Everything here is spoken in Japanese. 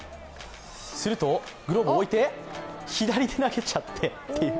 すると、グローブを置いて、左手で投げちゃって。